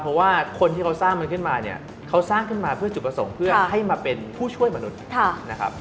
เพราะว่าคนที่เขาสร้างมันขึ้นมาเนี่ยเขาสร้างขึ้นมาเพื่อจุดประสงค์เพื่อให้มาเป็นผู้ช่วยมนุษย์นะครับ